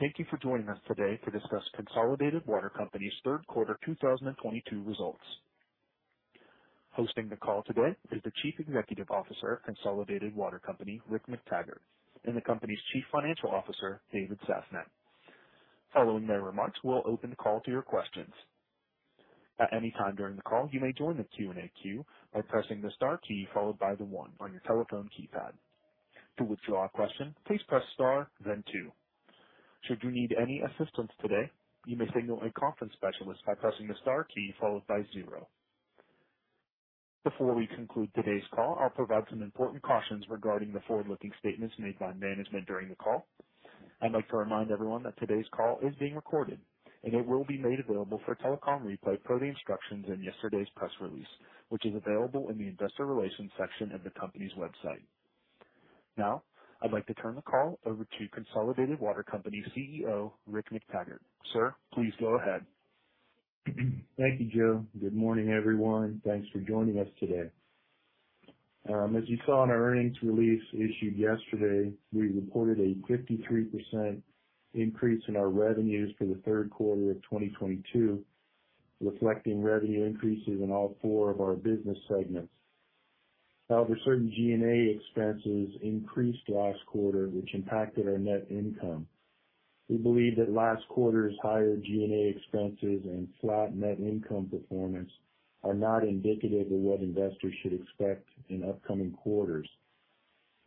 Thank you for joining us today to discuss Consolidated Water Company's third quarter 2022 results. Hosting the call today is the Chief Executive Officer of Consolidated Water Company, Rick McTaggart, and the company's Chief Financial Officer, David Sasnett. Following their remarks, we'll open the call to your questions. At any time during the call, you may join the Q&A queue by pressing the star key followed by the one on your telephone keypad. To withdraw a question, please press star, then two. Should you need any assistance today, you may signal a conference specialist by pressing the star key followed by 0. Before we conclude today's call, I'll provide some important cautions regarding the forward-looking statements made by management during the call. I'd like to remind everyone that today's call is being recorded, and it will be made available for telecom replay per the instructions in yesterday's press release, which is available in the Investor Relations section of the company's website. Now, I'd like to turn the call over to Consolidated Water Company CEO, Rick McTaggart. Sir, please go ahead. Thank you, Joe. Good morning, everyone. Thanks for joining us today. As you saw in our earnings release issued yesterday, we reported a 53% increase in our revenues for the third quarter of 2022, reflecting revenue increases in all four of our business segments. However, certain G&A expenses increased last quarter, which impacted our net income. We believe that last quarter's higher G&A expenses and flat net income performance are not indicative of what investors should expect in upcoming quarters.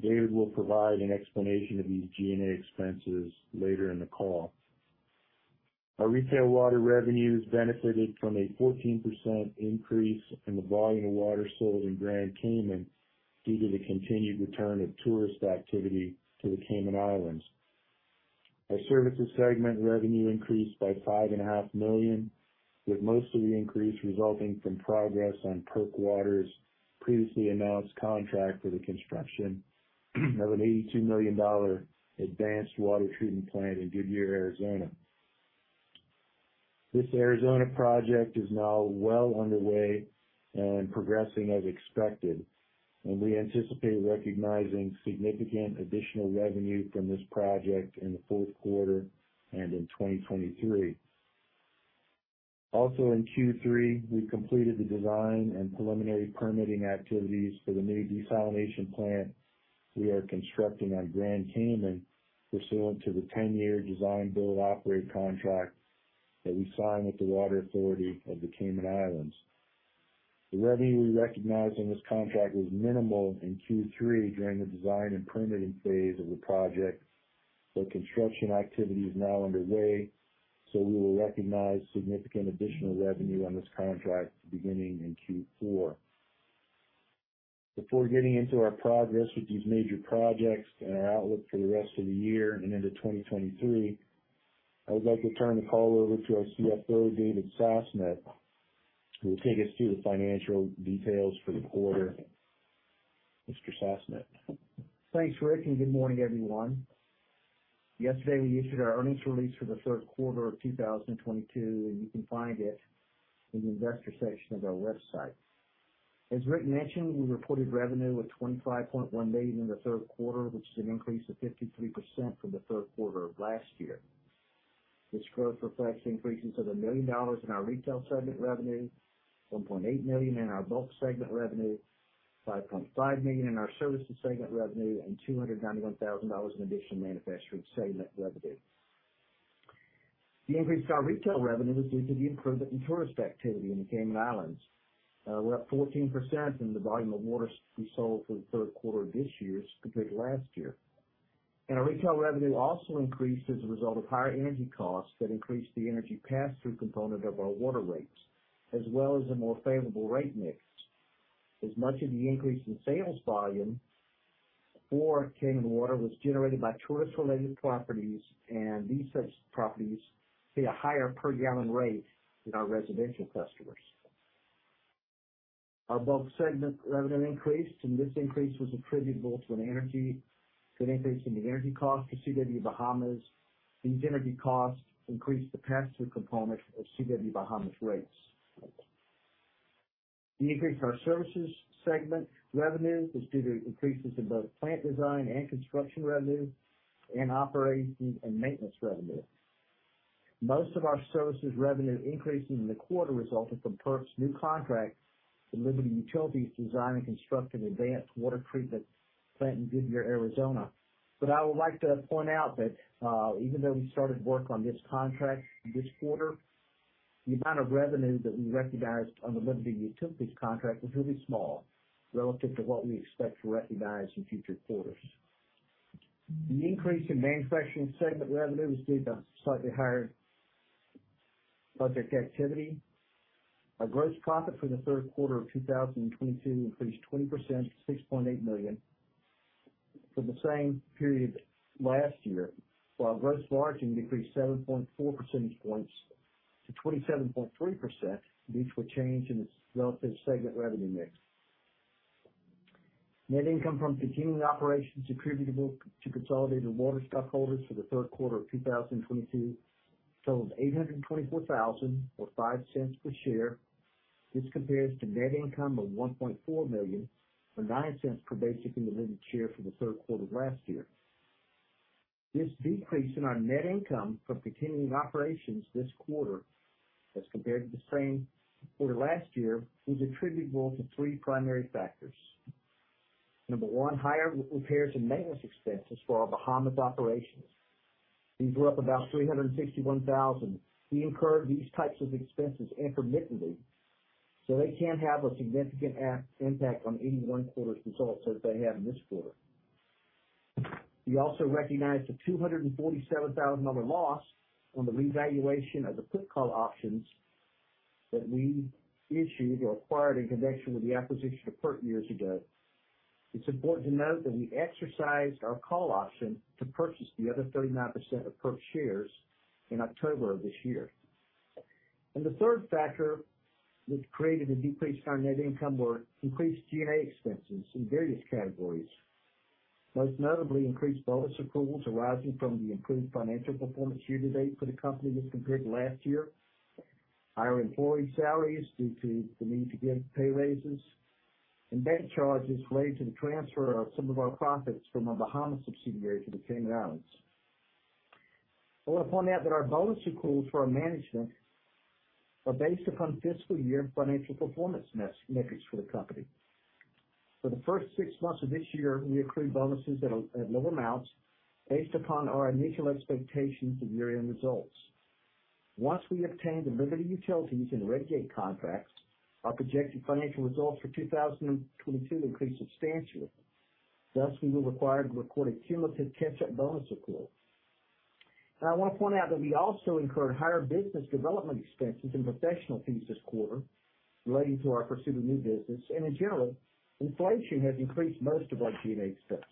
David will provide an explanation of these G&A expenses later in the call. Our retail water revenues benefited from a 14% increase in the volume of water sold in Grand Cayman due to the continued return of tourist activity to the Cayman Islands. Our services segment revenue increased by $5.5 million, with most of the increase resulting from progress on PERC Water's previously announced contract for the construction of an $82 million advanced water treatment plant in Goodyear, Arizona. This Arizona project is now well underway and progressing as expected, and we anticipate recognizing significant additional revenue from this project in the fourth quarter and in 2023. Also in Q3, we completed the design and preliminary permitting activities for the new desalination plant we are constructing on Grand Cayman pursuant to the ten-year design build operate contract that we signed with the Water Authority of the Cayman Islands. The revenue we recognized on this contract was minimal in Q3 during the design and permitting phase of the project, but construction activity is now underway, so we will recognize significant additional revenue on this contract beginning in Q4. Before getting into our progress with these major projects and our outlook for the rest of the year and into 2023, I would like to turn the call over to our CFO, David Sasnett, who will take us through the financial details for the quarter. Mr. Sasnett. Thanks, Rick, and good morning, everyone. Yesterday, we issued our earnings release for the third quarter of 2022, and you can find it in the Investor section of our website. As Rick mentioned, we reported revenue of $25.1 million in the third quarter, which is an increase of 53% from the third quarter of last year. This growth reflects increases of $1 million in our retail segment revenue, $1.8 million in our bulk segment revenue, $5.5 million in our services segment revenue, and $291,000 in additional manufacturing segment revenue. The increase to our retail revenue was due to the improvement in tourist activity in the Cayman Islands. We're up 14% in the volume of water we sold for the third quarter of this year compared to last year. Our retail revenue also increased as a result of higher energy costs that increased the energy pass-through component of our water rates, as well as a more favorable rate mix. As much of the increase in sales volume for Cayman Water was generated by tourist-related properties, and these properties pay a higher per gallon rate than our residential customers. Our bulk segment revenue increased, and this increase was attributable to an increase in the energy cost to CW-Bahamas. These energy costs increased the pass-through component of CW-Bahamas rates. The increase in our services segment revenue is due to increases in both plant design and construction revenue and operations and maintenance revenue. Most of our services revenue increase in the quarter resulted from PERC's new contract to Liberty Utilities design and construct an advanced water treatment plant in Goodyear, Arizona. I would like to point out that, even though we started work on this contract this quarter, the amount of revenue that we recognized on the Liberty Utilities contract was really small relative to what we expect to recognize in future quarters. The increase in manufacturing segment revenue was due to slightly higher budget activity. Our gross profit for the third quarter of 2022 increased 20% to $6.8 million for the same period last year, while gross margin decreased 7.4 percentage points to 27.3% due to a change in its relative segment revenue mix. Net income from continuing operations attributable to Consolidated Water stockholders for the third quarter of 2022 totaled $824,000, or $0.05 per share. This compares to net income of $1.4 million or $0.09 per basic and diluted share for the third quarter of last year. This decrease in our net income from continuing operations this quarter as compared to the same quarter last year is attributable to three primary factors. Number one, higher repairs and maintenance expenses for our Bahamas operations. These were up about $361,000. We incur these types of expenses intermittently, so they can have a significant impact on any one quarter's results as they have in this quarter. We also recognized a $247,000 loss on the revaluation of the put call options that we issued or acquired in connection with the acquisition of PERC years ago. It's important to note that we exercised our call option to purchase the other 39% of PERC shares in October of this year. The third factor which created a decrease in our net income were increased G&A expenses in various categories, most notably increased bonus accruals arising from the improved financial performance year-to-date for the company as compared to last year, higher employee salaries due to the need to give pay raises, and bank charges related to the transfer of some of our profits from our Bahamas subsidiary to the Cayman Islands. I wanna point out that our bonus accruals for our management are based upon fiscal year financial performance metrics for the company. For the first six months of this year, we accrued bonuses at low amounts based upon our initial expectations of year-end results. Once we obtained the Liberty Utilities and Red Gate contracts, our projected financial results for 2022 increased substantially. Thus, we were required to record a cumulative catch-up bonus accrual. I wanna point out that we also incurred higher business development expenses and professional fees this quarter relating to our pursuit of new business. In general, inflation has increased most of our G&A expenses.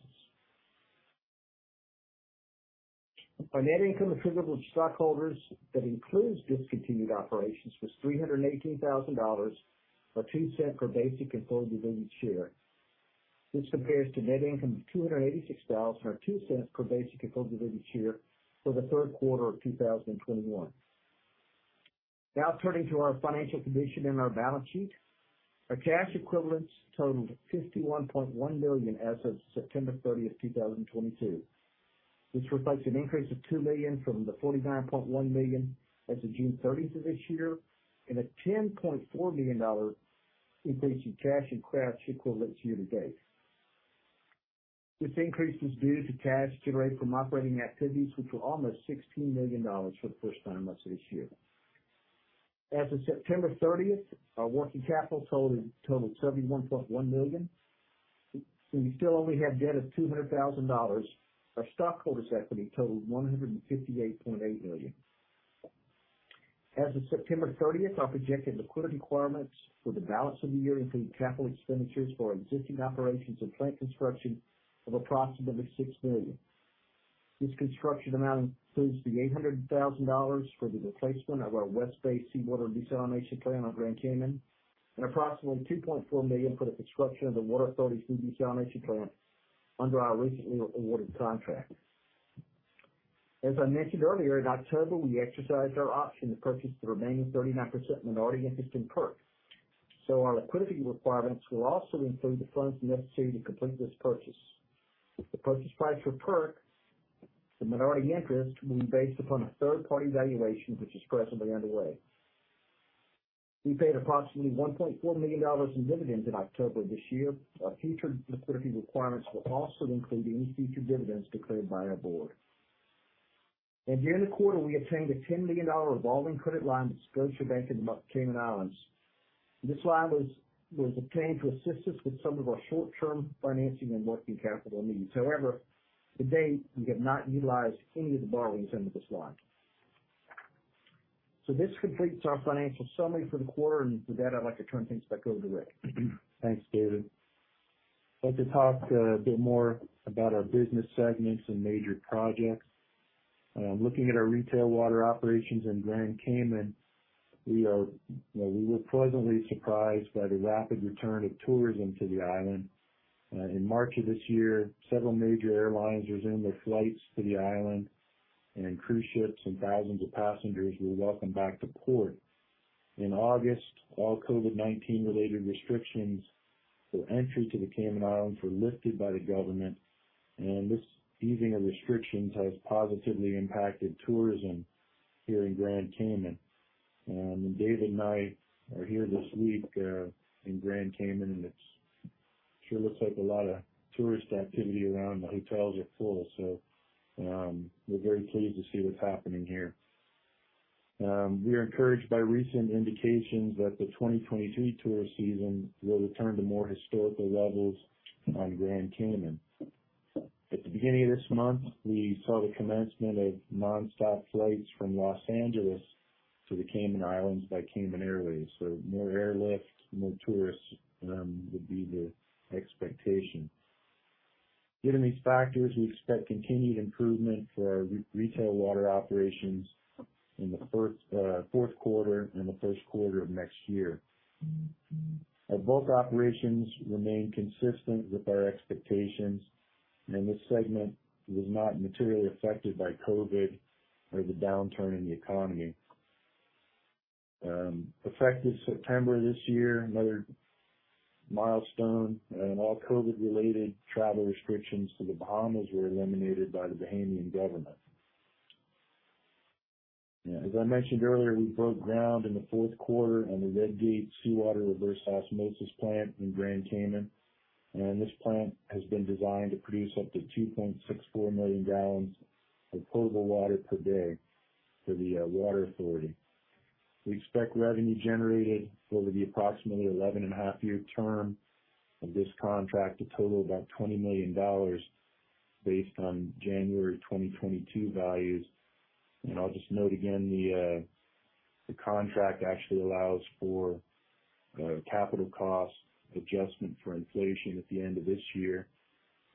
Our net income attributable to stockholders that includes discontinued operations was $318,000, or $0.02 per basic and fully diluted share. This compares to net income of $286,000 or $0.02 per basic and fully diluted share for the third quarter of 2021. Now turning to our financial condition and our balance sheet. Our cash equivalents totaled $51.1 million as of September 30, 2022. This reflects an increase of $2 million from the $49.1 million as of June 30, 2022 and a $10.4 million increase in cash and cash equivalents year-to-date. This increase is due to cash generated from operating activities, which were almost $16 million for the first nine months of this year. As of September 30, 2022, our working capital totaled $71.1 million. We still only have debt of $200,000. Our stockholders' equity totaled $158.8 million. As of September 30, 2022, our projected liquidity requirements for the balance of the year include capital expenditures for our existing operations and plant construction of approximately $6 million. This construction amount includes the $800,000 for the replacement of our West Bay Seawater Desalination Plant on Grand Cayman and approximately $2.4 million for the construction of the Water Authority's new desalination plant under our recently awarded contract. As I mentioned earlier, in October, we exercised our option to purchase the remaining 39% minority interest in PERC. Our liquidity requirements will also include the funds necessary to complete this purchase. The purchase price for PERC, the minority interest, will be based upon a third-party valuation, which is presently underway. We paid approximately $1.4 million in dividends in October this year. Our future liquidity requirements will also include any future dividends declared by our board. During the quarter, we obtained a $10 million revolving credit line with Scotiabank in the Cayman Islands. This line was obtained to assist us with some of our short-term financing and working capital needs. However, to date, we have not utilized any of the borrowings under this line. This completes our financial summary for the quarter, and with that, I'd like to turn things back over to Rick. Thanks, David. I'd like to talk a bit more about our business segments and major projects. Looking at our retail water operations in Grand Cayman, you know, we were pleasantly surprised by the rapid return of tourism to the island. In March of this year, several major airlines resumed their flights to the island, and cruise ships and thousands of passengers were welcomed back to port. In August, all COVID-19 related restrictions for entry to the Cayman Islands were lifted by the government, and this easing of restrictions has positively impacted tourism here in Grand Cayman. David and I are here this week in Grand Cayman, and it sure looks like a lot of tourist activity around. The hotels are full. We're very pleased to see what's happening here. We are encouraged by recent indications that the 2023 tourist season will return to more historical levels on Grand Cayman. At the beginning of this month, we saw the commencement of nonstop flights from Los Angeles to the Cayman Islands by Cayman Airways. More airlift, more tourists, would be the expectation. Given these factors, we expect continued improvement for our retail water operations in the fourth quarter and the first quarter of next year. Our bulk operations remain consistent with our expectations, and this segment was not materially affected by COVID or the downturn in the economy. Effective September this year, another milestone and all COVID-related travel restrictions to The Bahamas were eliminated by the Bahamian government. As I mentioned earlier, we broke ground in the fourth quarter on the Red Gate Seawater Reverse Osmosis Plant in Grand Cayman. This plant has been designed to produce up to 2.64 million gallons of potable water per day for the Water Authority. We expect revenue generated over the approximately 11.5-year term of this contract to total about $20 million based on January 2022 values. I'll just note again, the contract actually allows for capital cost adjustment for inflation at the end of this year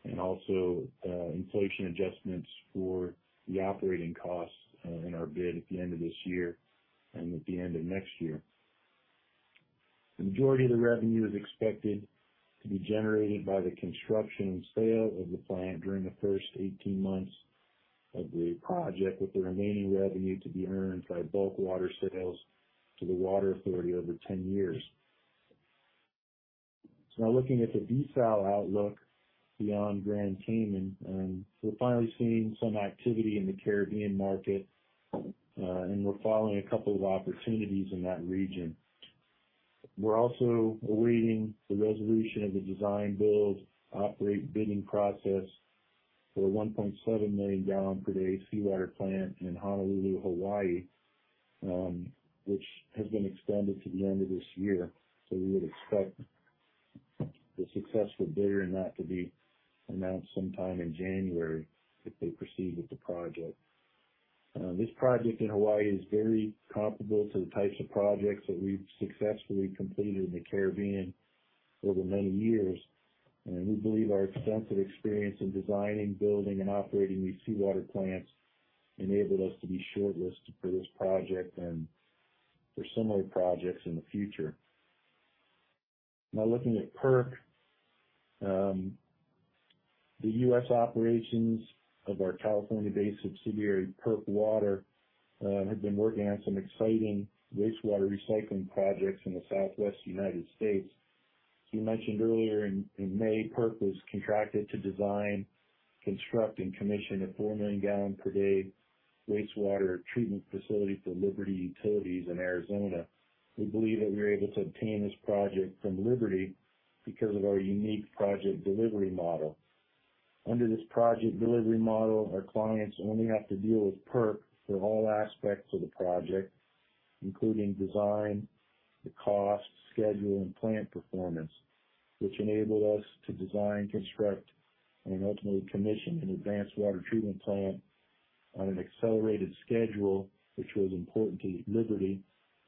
and also inflation adjustments for the operating costs in our bid at the end of this year and at the end of next year. The majority of the revenue is expected to be generated by the construction and sale of the plant during the first 18 months of the project, with the remaining revenue to be earned by bulk water sales to the Water Authority over 10 years. Now looking at the desal outlook beyond Grand Cayman. We're finally seeing some activity in the Caribbean market, and we're following a couple of opportunities in that region. We're also awaiting the resolution of the design, build, operate bidding process for the 1.7 million gallon per day seawater plant in Honolulu, Hawaii, which has been extended to the end of this year. We would expect the successful bidder in that to be announced sometime in January if they proceed with the project. This project in Hawaii is very comparable to the types of projects that we've successfully completed in the Caribbean over many years. We believe our extensive experience in designing, building, and operating these seawater plants enabled us to be shortlisted for this project and for similar projects in the future. Now looking at PERC. The US operations of our California-based subsidiary, PERC Water, have been working on some exciting wastewater recycling projects in the Southwest United States. As we mentioned earlier, in May, PERC was contracted to design, construct, and commission a 4 million gallons per day wastewater treatment facility for Liberty Utilities in Arizona. We believe that we were able to obtain this project from Liberty because of our unique project delivery model. Under this project delivery model, our clients only have to deal with PERC for all aspects of the project, including design, the cost, schedule, and plant performance, which enabled us to design, construct, and ultimately commission an advanced water treatment plant on an accelerated schedule, which was important to Liberty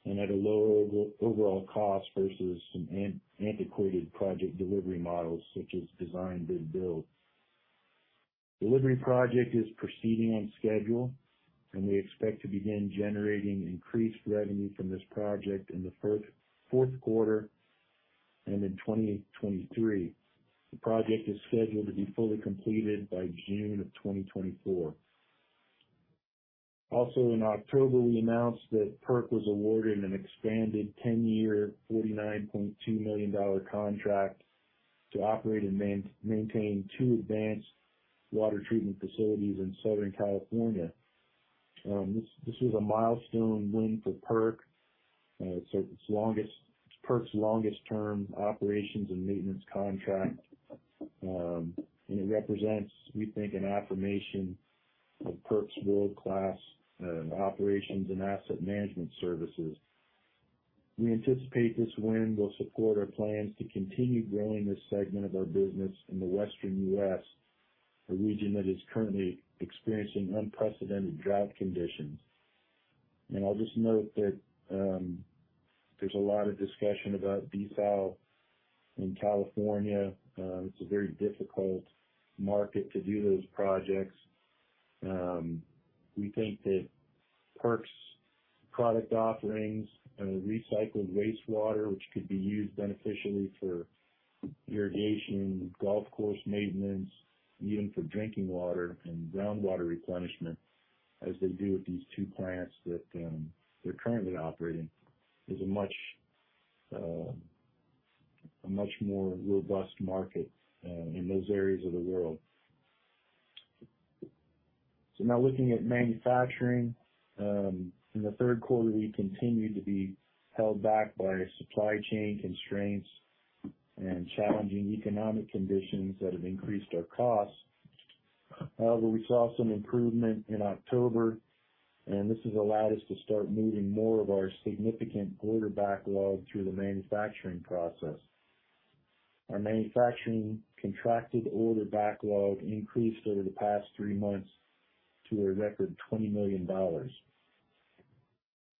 and at a lower overall cost versus some antiquated project delivery models such as design-bid-build. Delivery project is proceeding on schedule, and we expect to begin generating increased revenue from this project in the fourth quarter and in 2023. The project is scheduled to be fully completed by June 2024. Also in October, we announced that PERC was awarded an expanded 10-year, $49.2 million contract to operate and maintain two advanced water treatment facilities in Southern California. This is a milestone win for PERC. It's PERC's longest-term operations and maintenance contract. It represents, we think, an affirmation of PERC's world-class operations and asset management services. We anticipate this win will support our plans to continue growing this segment of our business in the Western U.S., a region that is currently experiencing unprecedented drought conditions. I'll just note that there's a lot of discussion about desal in California. It's a very difficult market to do those projects. We think that PERC's product offerings, recycled wastewater, which could be used beneficially for irrigation, golf course maintenance, even for drinking water and groundwater replenishment, as they do at these two plants that they're currently operating, is a much more robust market in those areas of the world. Now looking at manufacturing. In the third quarter, we continued to be held back by supply chain constraints and challenging economic conditions that have increased our costs. However, we saw some improvement in October, and this has allowed us to start moving more of our significant order backlog through the manufacturing process. Our manufacturing contracted order backlog increased over the past three months to a record $20 million.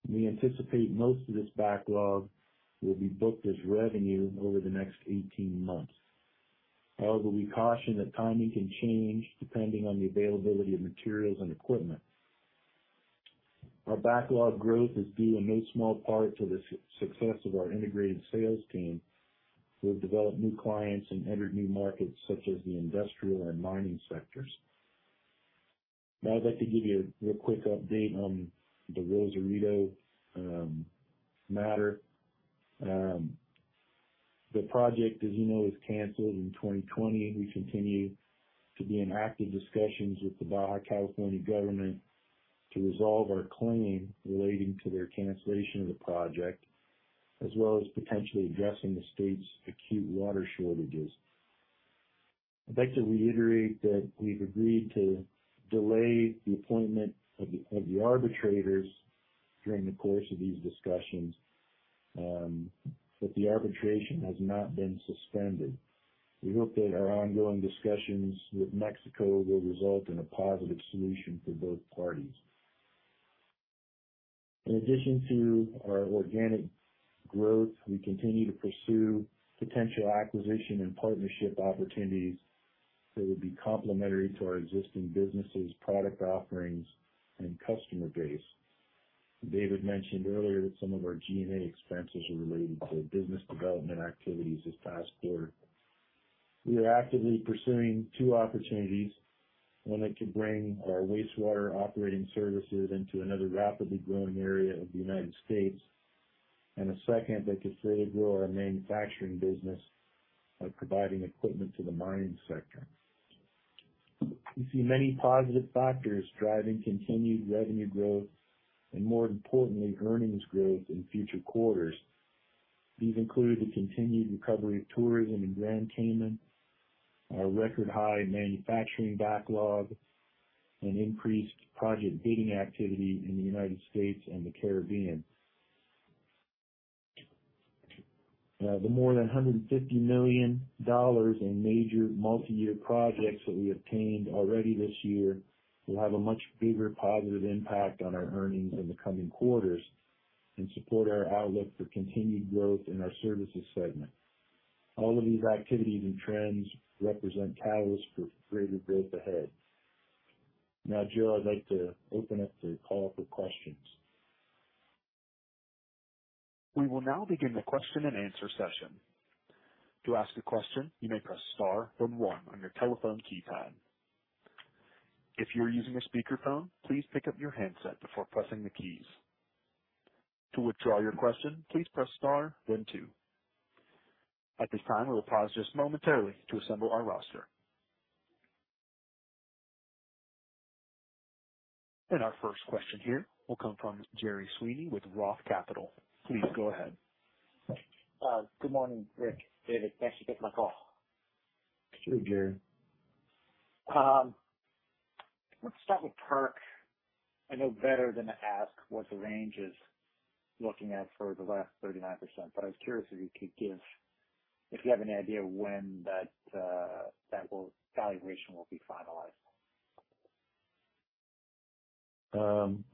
We anticipate most of this backlog will be booked as revenue over the next 18 months. However, we caution that timing can change depending on the availability of materials and equipment. Our backlog growth is due in no small part to the success of our integrated sales team, who have developed new clients and entered new markets such as the industrial and mining sectors. Now I'd like to give you a real quick update on the Rosarito matter. The project, as you know, was canceled in 2020. We continue to be in active discussions with the Baja California government to resolve our claim relating to their cancellation of the project, as well as potentially addressing the state's acute water shortages. I'd like to reiterate that we've agreed to delay the appointment of the arbitrators during the course of these discussions, but the arbitration has not been suspended. We hope that our ongoing discussions with Mexico will result in a positive solution for both parties. In addition to our organic growth, we continue to pursue potential acquisition and partnership opportunities that would be complementary to our existing businesses, product offerings, and customer base. David mentioned earlier that some of our G&A expenses are related to business development activities this past quarter. We are actively pursuing two opportunities, one that could bring our wastewater operating services into another rapidly growing area of the United States, and a second that could further grow our manufacturing business by providing equipment to the mining sector. We see many positive factors driving continued revenue growth and, more importantly, earnings growth in future quarters. These include the continued recovery of tourism in Grand Cayman, our record-high manufacturing backlog, and increased project bidding activity in the United States and the Caribbean. The more than $150 million in major multiyear projects that we obtained already this year will have a much bigger positive impact on our earnings in the coming quarters and support our outlook for continued growth in our services segment. All of these activities and trends represent catalysts for further growth ahead. Now, Joe, I'd like to open up the call for questions. We will now begin the question-and-answer session. To ask a question, you may press star then one on your telephone keypad. If you're using a speaker phone, please pick up your handset before pressing the keys. To withdraw your question, please press star then two. At this time, we'll pause just momentarily to assemble our roster. Our first question here will come from Gerry Sweeney with ROTH Capital. Please go ahead. Good morning, Rick, David. Thanks for taking my call. Sure, Gerry. Let's start with PERC. I know better than to ask what the range is looking at for the last 39%, but I was curious if you have any idea when that valuation will be finalized.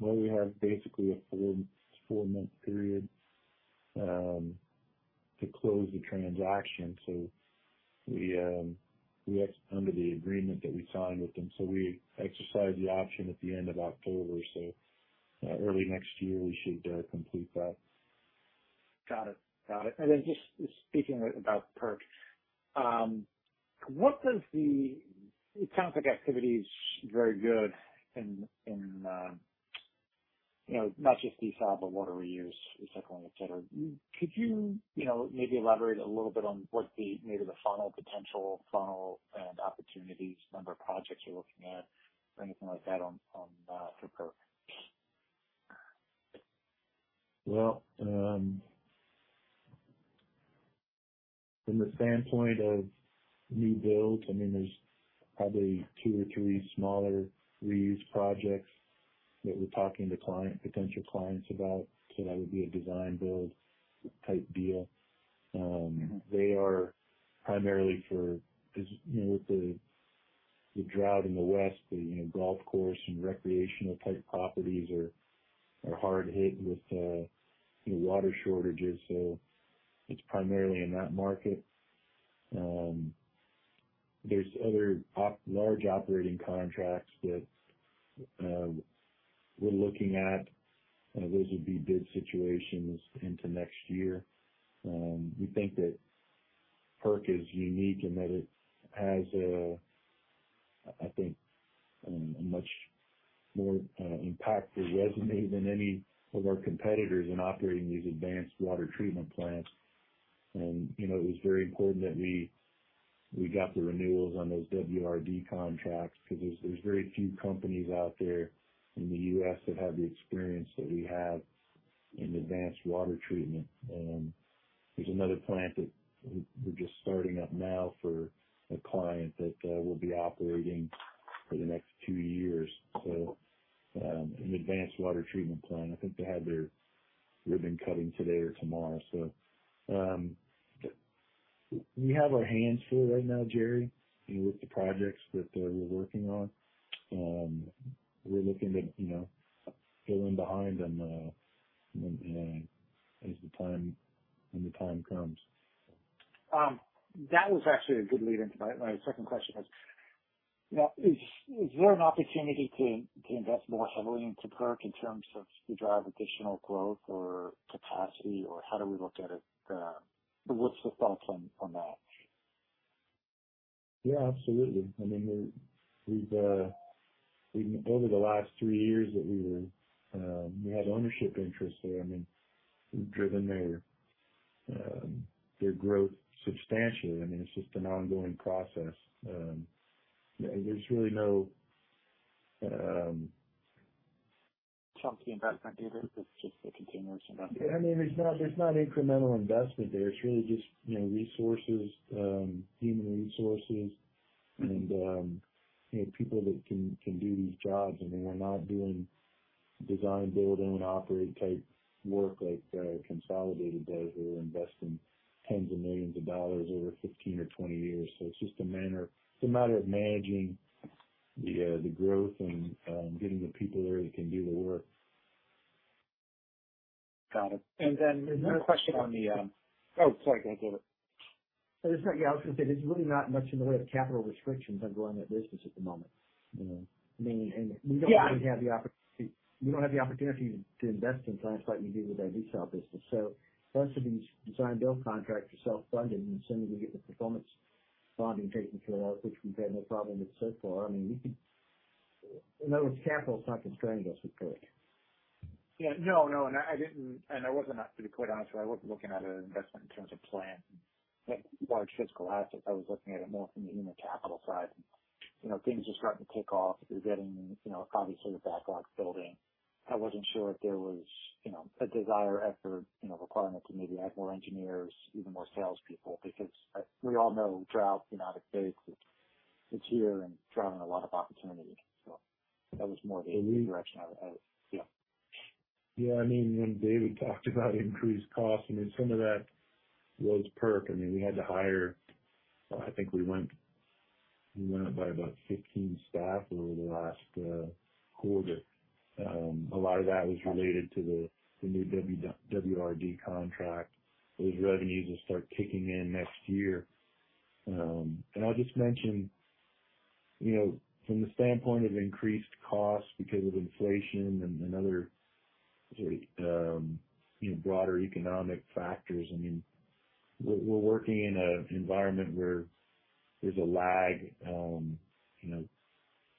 Well, we have basically a full four-month period to close the transaction. We executed under the agreement that we signed with them. We exercise the option at the end of October. Early next year we should complete that. Got it. Just speaking about PERC, it sounds like activity is very good in, you know, not just desal, but water reuse, recycling, et cetera. Could you know, maybe elaborate a little bit on what the, maybe the funnel potential opportunities, number of projects you're looking at or anything like that on for PERC? Well, from the standpoint of new builds, I mean, there's probably two or three smaller reuse projects that we're talking to potential clients about. That would be a design build type deal. They are primarily for, you know, with the drought in the West, you know, golf course and recreational-type properties are hard hit with, you know, water shortages. It's primarily in that market. There's other large operating contracts that we're looking at. Those would be bid situations into next year. We think that PERC is unique and that it has a, I think, a much more impactful resume than any of our competitors in operating these advanced water treatment plants. You know, it was very important that we got the renewals on those WRD contracts because there's very few companies out there in the U.S. that have the experience that we have in advanced water treatment. There's another plant that we're just starting up now for a client that will be operating for the next two years. An advanced water treatment plant. I think they have their ribbon cutting today or tomorrow. We have our hands full right now, Gerry, you know, with the projects that we're working on. We're looking to, you know, fill in behind them when the time comes. That was actually a good lead into my second question, you know, is there an opportunity to invest more heavily into PERC in terms to drive additional growth or capacity? Or how do we look at it? What's the thought on that? Yeah, absolutely. I mean, over the last three years that we were, we had ownership interest there. I mean, we've driven their growth substantially. I mean, it's just an ongoing process. There's really no. Chunky investment needed. It's just a continuous investment. Yeah. I mean, there's not incremental investment there. It's really just, you know, resources, human resources and, you know, people that can do these jobs. I mean, we're not doing design, build, own, operate type work like Consolidated does, where we're investing $10s of millions over 15 or 20 years. It's just a matter of managing the growth and getting the people there that can do the work. Got it. Oh, sorry. Go ahead, David. That's okay. Yeah. I was gonna say, there's really not much in the way of capital restrictions on growing that business at the moment, you know. I mean- Yeah. We don't have the opportunity to invest in clients like you do with our retail business. Most of these design-build contracts are self-funded, and as soon as we get the performance bonding taken care of, which we've had no problem with so far. In other words, capital is not constraining us with PERC. No, no. To be quite honest with you, I wasn't looking at an investment in terms of plant, like, large physical assets. I was looking at it more from the human capital side. You know, things are starting to kick off. You're getting, you know, obviously the backlog building. I wasn't sure if there was, you know, a desire, effort, you know, requirement to maybe add more engineers, even more salespeople. Because we all know drought in United States is here and driving a lot of opportunity. That was more the direction. Yeah. I mean, when David talked about increased costs, I mean, some of that was PERC. I mean, we had to hire, I think we went up by about 15 staff over the last quarter. A lot of that was related to the new WRD contract. Those revenues will start kicking in next year. I'll just mention, you know, from the standpoint of increased costs because of inflation and other, you know, broader economic factors, I mean, we're working in an environment where there's a lag, you know,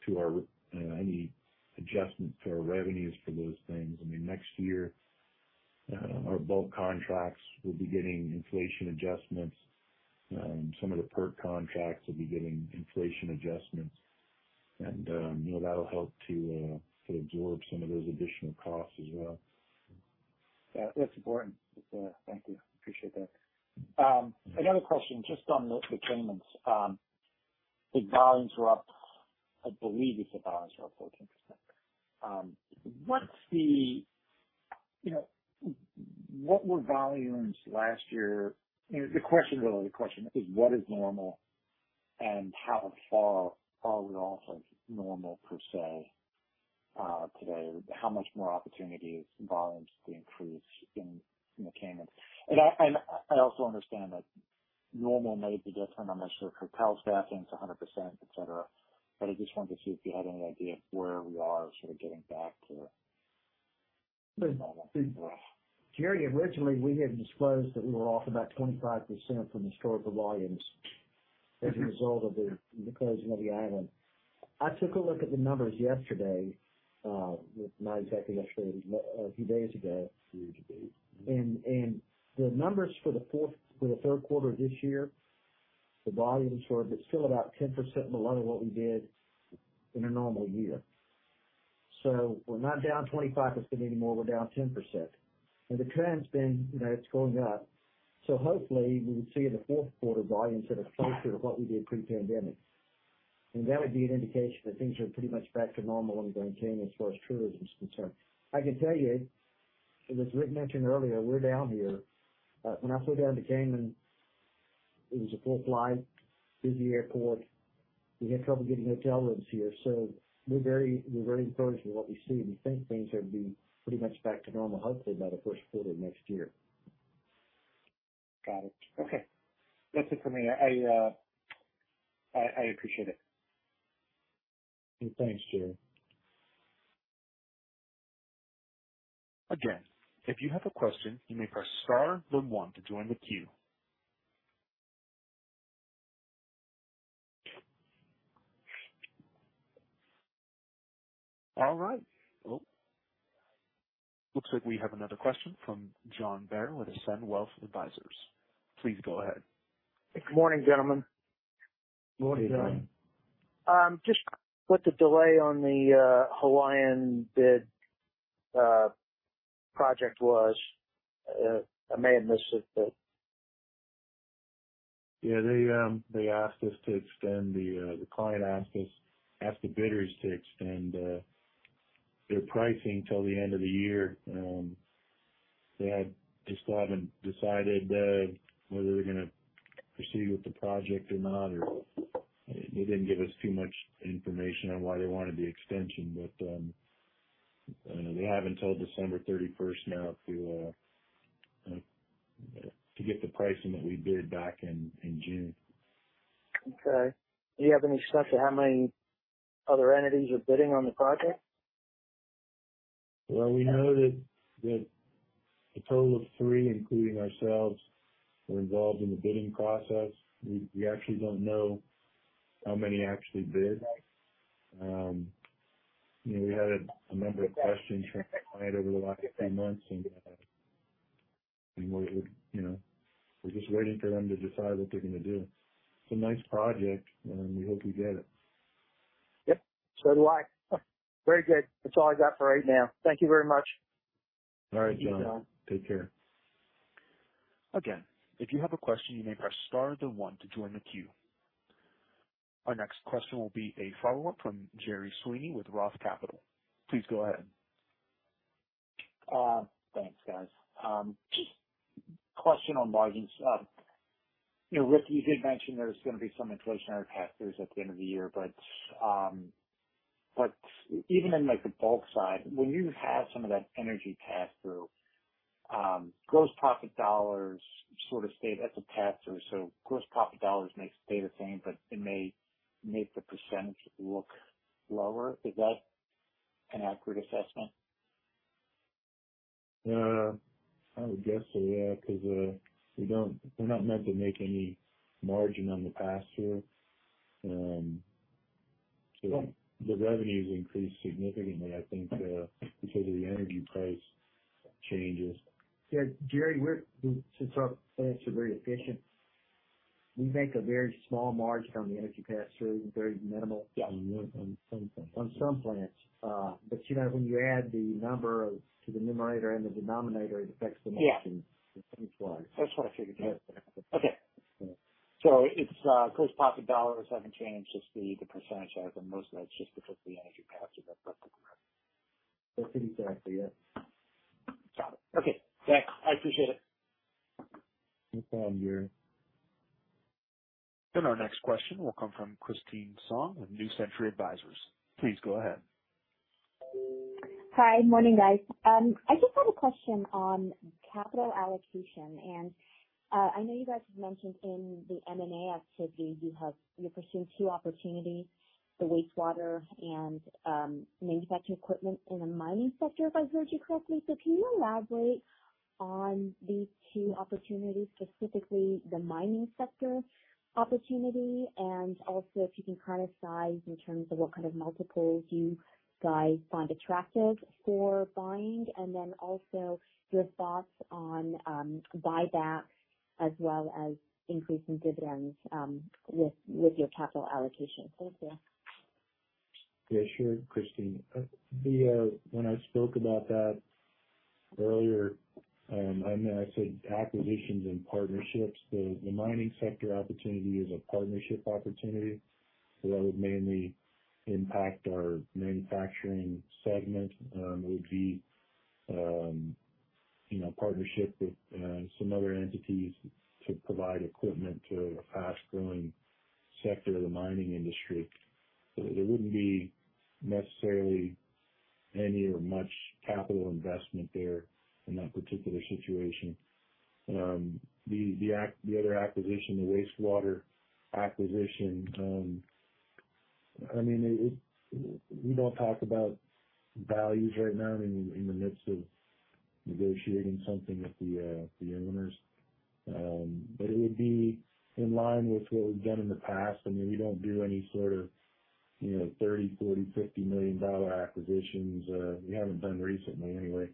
to any adjustment to our revenues for those things. I mean, next year, our bulk contracts will be getting inflation adjustments. Some of the PERC contracts will be getting inflation adjustments and, you know, that'll help to absorb some of those additional costs as well. Yeah, that's important. Thank you. Appreciate that. Another question just on the Caymans. The volumes were up. I believe the volumes were up 14%. What's the, you know, what were volumes last year? You know, the question, really, is what is normal and how far are we off of normal per se, today? How much more opportunities, volumes could increase in the Caymans? And I also understand that normal may be different. I'm not sure if hotel staffing's 100%, et cetera. I just wanted to see if you had any idea where we are sort of getting back to normal. Gerry, originally we had disclosed that we were off about 25% from historical volumes as a result of the closing of the island. I took a look at the numbers yesterday, not exactly yesterday, a few days ago. Few days ago. The numbers for the third quarter this year, the volumes were it's still about 10% below what we did in a normal year. So we're not down 25% anymore. We're down 10%. The trend's been, you know, it's going up. So hopefully we will see the fourth quarter volumes that are closer to what we did pre-pandemic. That would be an indication that things are pretty much back to normal in Grand Cayman as far as tourism is concerned. I can tell you, as Rick mentioned earlier, we're down here. When I flew down to Cayman, it was a full flight, busy airport. We had trouble getting hotel rooms here. So we're very encouraged with what we see, and we think things are pretty much back to normal, hopefully by the first quarter of next year. Got it. Okay. That's it for me. I appreciate it. Thanks, Gerry. Again, if you have a question, you may press star then one to join the queue. All right. Well, looks like we have another question from John Bair with Ascend Wealth Advisors. Please go ahead. Good morning, gentlemen. Morning, John. Morning. Just what the delay on the Hawaiian bid project was. I may have missed it. Yeah, the client asked the bidders to extend their pricing till the end of the year. They just haven't decided whether they're gonna proceed with the project or not, or they didn't give us too much information on why they wanted the extension. They have until December 31 now to get the pricing that we bid back in June. Okay. Do you have any sense of how many other entities are bidding on the project? Well, we know that a total of three, including ourselves, were involved in the bidding process. We actually don't know how many actually bid. You know, we had a number of questions from a client over the last few months, and we're just waiting for them to decide what they're gonna do. It's a nice project and we hope we get it. Yep. Do I. Very good. That's all I got for right now. Thank you very much. All right, John. Take care. Again, if you have a question, you may press star then one to join the queue. Our next question will be a follow-up from Gerry Sweeney with Roth Capital. Please go ahead. Thanks, guys. Just a question on margins. You know, Rick, you did mention there's gonna be some inflationary pass-throughs at the end of the year, but even in like the bulk side, when you have some of that energy pass-through, gross profit dollars sort of stay the same, so gross profit dollars may stay the same, but it may make the percentage look lower. Is that an accurate assessment? I would guess so, yeah, 'cause we're not meant to make any margin on the pass-through. The revenues increased significantly, I think, because of the energy price changes. Yeah, Gerry, since our plants are very efficient, we make a very small margin on the energy pass-through, very minimal. Yeah. On some things. On some plants. You know, when you add to the numerator and the denominator, it affects the margin. Yeah. In some ways. That's what I figured. Yeah. Okay. It's gross profit dollars haven't changed, just the percentage has, and mostly that's just because the energy pass-throughs have gone up. That's pretty accurate. Yeah. Got it. Okay. Thanks. I appreciate it. No problem, Gerry. Our next question will come from Christine Song with New Century Advisors. Please go ahead. Hi. Morning, guys. I just had a question on capital allocation, and I know you guys have mentioned in the M&A activity you're pursuing two opportunities, the wastewater and manufacturing equipment in the mining sector, if I heard you correctly. Can you elaborate on these two opportunities, specifically the mining sector opportunity? And also, if you can kind of size in terms of what kind of multiples you guys find attractive for buying, and then also your thoughts on buybacks as well as increasing dividends, with your capital allocation. Thank you. Yeah, sure, Christine. When I spoke about that earlier, I know I said acquisitions and partnerships. The mining sector opportunity is a partnership opportunity, so that would mainly impact our manufacturing segment. It would be, you know, partnership with some other entities to provide equipment to a fast-growing sector of the mining industry. So there wouldn't be necessarily any or much capital investment there in that particular situation. The other acquisition, the wastewater acquisition, I mean, we don't talk about values right now in the midst of negotiating something with the owners. It would be in line with what we've done in the past. I mean, we don't do any sort of, you know, $30 million, $40 million, $50 million acquisitions. We haven't done recently anyway.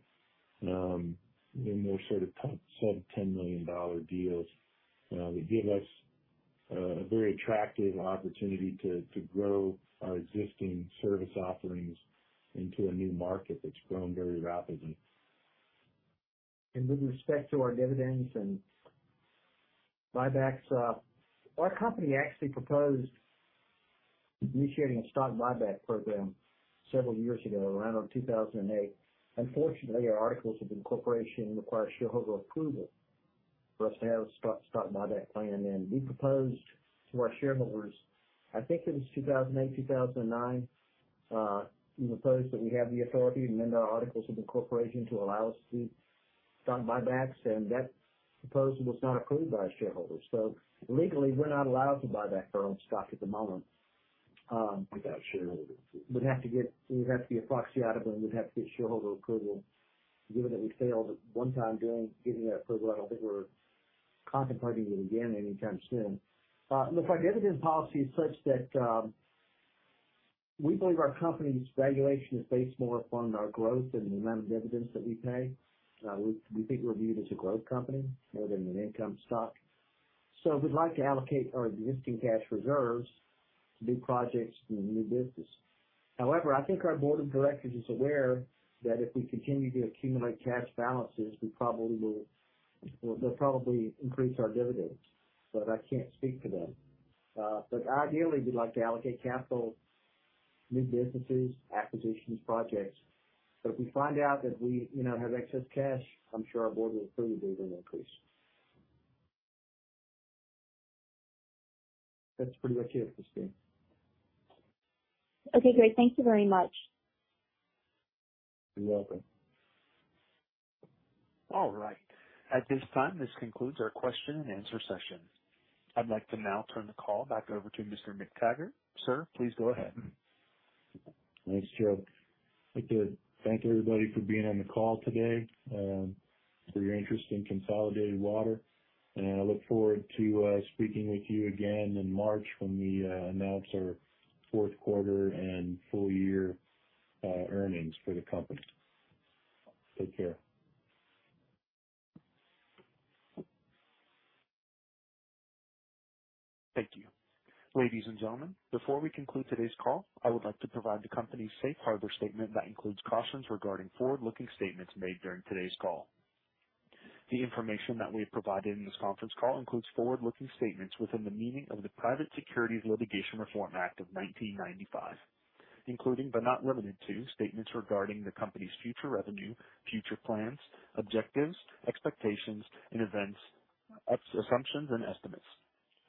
They're more sort of sub-$10 million deals that give us a very attractive opportunity to grow our existing service offerings into a new market that's growing very rapidly. With respect to our dividends and buybacks, our company actually proposed initiating a stock buyback program several years ago, around 2008. Unfortunately, our articles of incorporation require shareholder approval for us to have a stock buyback plan. We proposed to our shareholders, I think it was 2008, 2009, we proposed that we have the authority to amend our articles of incorporation to allow us to do stock buybacks, and that proposal was not approved by our shareholders. Legally, we're not allowed to buy back our own stock at the moment without shareholders. We'd have to be a proxy item, and we'd have to get shareholder approval. Given that we failed at one time getting that approval, I don't think we're contemplating it again anytime soon. Look, our dividend policy is such that we believe our company's valuation is based more upon our growth than the amount of dividends that we pay. We think we're viewed as a growth company rather than an income stock. We'd like to allocate our existing cash reserves to new projects and new business. However, I think our board of directors is aware that if we continue to accumulate cash balances, we'll probably increase our dividends, but I can't speak for them. Ideally, we'd like to allocate capital, new businesses, acquisitions, projects. If we find out that we, you know, have excess cash, I'm sure our board will approve a dividend increase. That's pretty much it, Christine. Okay, great. Thank you very much. You're welcome. All right. At this time, this concludes our question and answer session. I'd like to now turn the call back over to Mr. McTaggart. Sir, please go ahead. Thanks, Joe. I'd like to thank everybody for being on the call today, for your interest in Consolidated Water. I look forward to speaking with you again in March when we announce our fourth quarter and full year earnings for the company. Take care. Thank you. Ladies and gentlemen, before we conclude today's call, I would like to provide the company's safe harbor statement that includes cautions regarding forward-looking statements made during today's call. The information that we have provided in this conference call includes forward-looking statements within the meaning of the Private Securities Litigation Reform Act of 1995, including, but not limited to, statements regarding the company's future revenue, future plans, objectives, expectations and events, assumptions and estimates.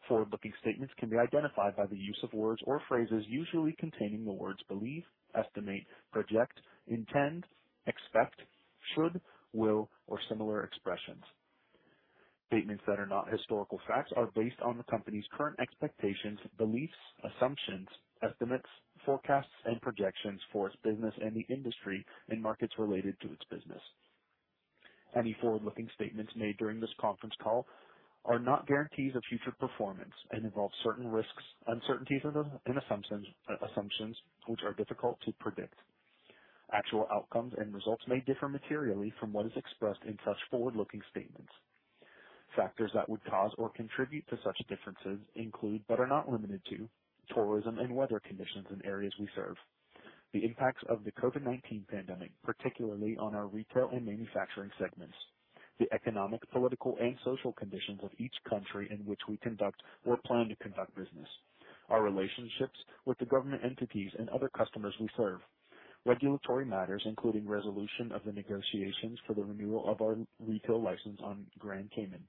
Forward-looking statements can be identified by the use of words or phrases usually containing the words believe, estimate, project, intend, expect, should, will or similar expressions. Statements that are not historical facts are based on the company's current expectations, beliefs, assumptions, estimates, forecasts and projections for its business and the industry and markets related to its business. Any forward-looking statements made during this conference call are not guarantees of future performance and involve certain risks, uncertainties and assumptions which are difficult to predict. Actual outcomes and results may differ materially from what is expressed in such forward-looking statements. Factors that would cause or contribute to such differences include, but are not limited to, tourism and weather conditions in areas we serve. The impacts of the COVID-19 pandemic, particularly on our retail and manufacturing segments. The economic, political and social conditions of each country in which we conduct or plan to conduct business. Our relationships with the government entities and other customers we serve. Regulatory matters, including resolution of the negotiations for the renewal of our retail license on Grand Cayman.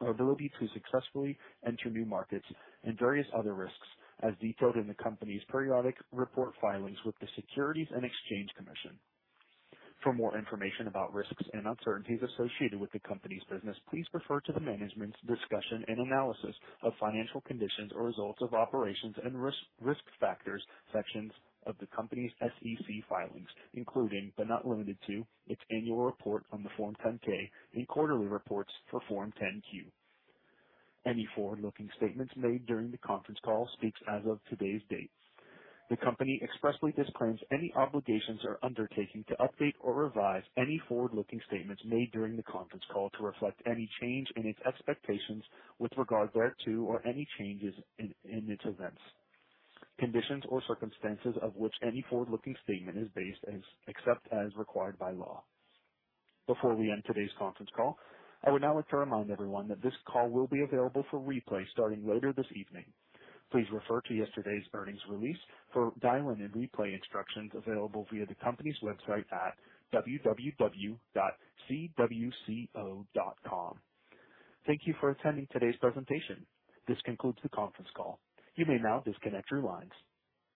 Our ability to successfully enter new markets and various other risks as detailed in the company's periodic report filings with the Securities and Exchange Commission. For more information about risks and uncertainties associated with the company's business, please refer to the management's discussion and analysis of financial condition and results of operations and risk factors sections of the company's SEC filings, including, but not limited to, its annual report on Form 10-K and quarterly reports on Form 10-Q. Any forward-looking statements made during the conference call speak as of today's date. The company expressly disclaims any obligation or undertaking to update or revise any forward-looking statements made during the conference call to reflect any change in its expectations with regard thereto or any changes in its events, conditions or circumstances on which any forward-looking statement is based, except as required by law. Before we end today's conference call, I would now like to remind everyone that this call will be available for replay starting later this evening. Please refer to yesterday's earnings release for dial-in and replay instructions available via the company's website at www.cwco.com. Thank you for attending today's presentation. This concludes the conference call. You may now disconnect your lines.